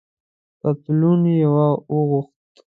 پتلون یې واغوست.